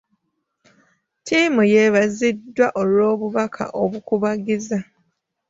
Ttiimu yeebaziddwa olw'obubaka obukubagiza.